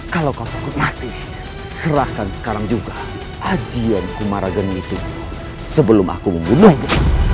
kalau kau takut mati serahkan sekarang juga ajian kumaragen itu sebelum aku memulainya